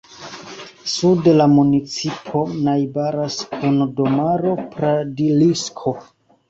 Sude la municipo najbaras kun domaro Pradlisko.